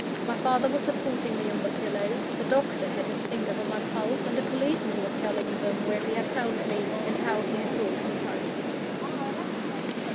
My father was supporting me on the pillow; the doctor had his fingers on my pulse; and a policeman was telling them where he had found me, and how he had brought me home.